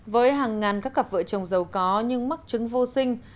với hàng ngàn các cặp vợ chồng giàu có nhưng mắc chứng vô sinh